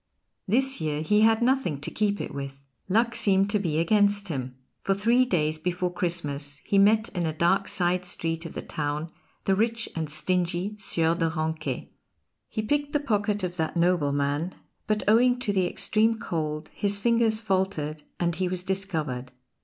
This year he had nothing to keep it with. Luck seemed to be against him; for three days before Christmas he met in a dark side street of the town the rich and stingy Sieur de Ranquet. He picked the pocket of that nobleman, but owing to the extreme cold his fingers faltered, and he was discovered.